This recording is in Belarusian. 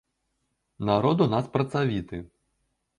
Народ у нас працавіты.